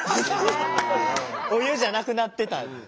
お湯じゃなくなってた。